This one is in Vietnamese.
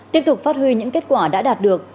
tiếp tục phát huy những kết quả đã đạt được